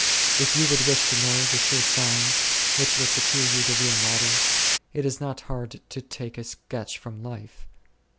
If you would wish to know the sure signs, which will secure you the real model, it is not hard to take a sketch from life.